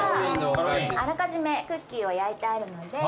あらかじめクッキーを焼いてあるので。